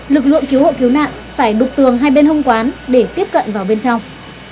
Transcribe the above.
lực lượng cứu hộ cứu nạn phải đục tường hai bên hông quán để tiếp cận vào bên trong